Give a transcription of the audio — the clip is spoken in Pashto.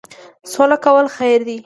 سوله کول خیر دی.